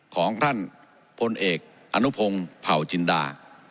ของท่านพลเอกอนุพงศ์เผาจินดา